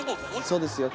そうですよ